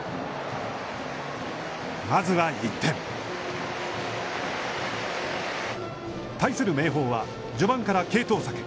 まずは１点。対する明豊は、序盤から継投策。